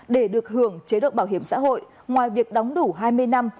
để được hưởng chế độ bảo hiểm xã hội ngoài việc đóng đủ hai mươi năm